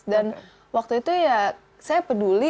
dan waktu itu ya saya peduli